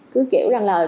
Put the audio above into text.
cứ kiểu rằng là